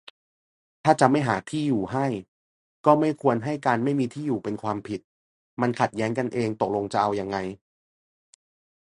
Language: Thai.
ถ้าจะไม่หาที่อยู่ให้ ก็ไม่ควรให้ การไม่มีที่อยู่ เป็นความผิด - มันขัดแย้งกันเอง ตกลงจะเอายังไง